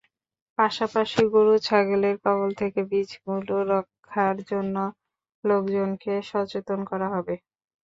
পাশাপাশি গরু–ছাগলের কবল থেকে বীজগুলো রক্ষার জন্য লোকজনকে সচেতন করা হবে।